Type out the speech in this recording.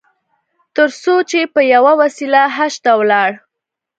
تر څو چې په یوه وسیله حج ته ولاړ.